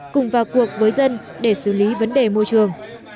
cùng vào cuộc với dân để xử lý vấn đề môi trường